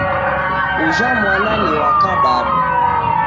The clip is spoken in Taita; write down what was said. Ujha mwana ni wa adadadu